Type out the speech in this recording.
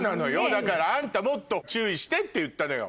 だからあんたもっと注意してって言ったのよ。